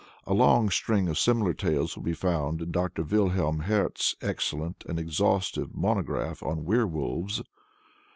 A long string of similar tales will be found in Dr. Wilhelm Hertz's excellent and exhaustive monograph on werwolves.